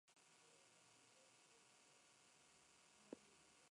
Posteriormente se publicó en "Blue Jeans" y el último número de "Bumerang".